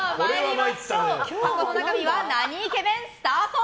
箱の中身はなにイケメン？スタート！